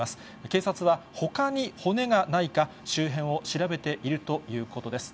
警察は、ほかに骨がないか、周辺を調べているということです。